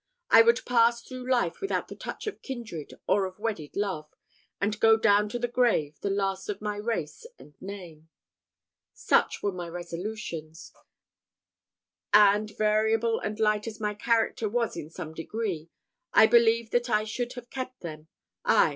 I would pass through life without the touch of kindred or of wedded love, and go down to the grave the last of my race and name. Such were my resolutions; and, variable and light as my character was in some degree, I believe that I should have kept them ay!